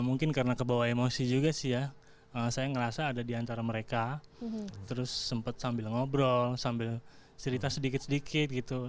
mungkin karena kebawa emosi juga sih ya saya ngerasa ada di antara mereka terus sempat sambil ngobrol sambil cerita sedikit sedikit gitu